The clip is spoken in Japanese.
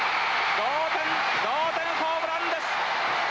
同点同点ホームランです。